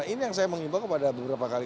ini yang saya mengimbau kepada beberapa kali